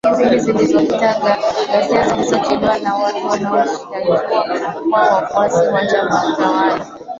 Wiki mbili zilizopita ghasia zilichochewa na watu wanaoshtakiwa kuwa wafuasi wa chama tawala